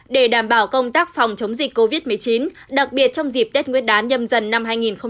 để đảm bảo công tác phòng chống dịch covid một mươi chín đặc biệt trong dịp tết nguyên đán nhâm dần năm hai nghìn hai mươi